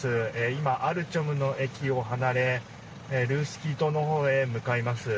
今、アルチョムの駅を離れルースキー島のほうへ向かいます。